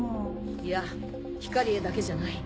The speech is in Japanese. いやヒカリエだけじゃない。